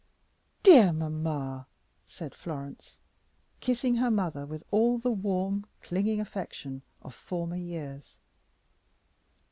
"Dear mamma!" said Florence, kissing her mother with all the warm, clinging affection of former years.